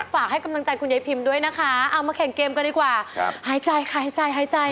ฝากให้กำลังใจคุณยายพิมด้วยนะคะเอามาแข่งเกมกันดีกว่าหายใจค่ะหายใจหายใจ